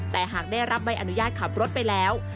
แต่หากได้รับใบอนุญาตขับรถไปแล้ว